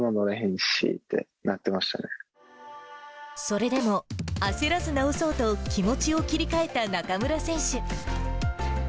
それでも、焦らず治そうと、気持ちを切り替えた中村選手。